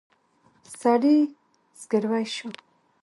سړي زګېروی شو.